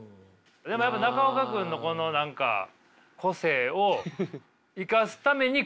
でもやっぱ中岡君のこの何か個性を生かすためにコントも。